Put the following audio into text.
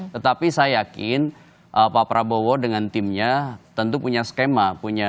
tetapi saya yakin pak prabowo dengan timnya tentu punya skema